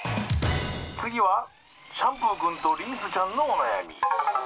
「つぎはシャンプーくんとリンスちゃんのおなやみ」。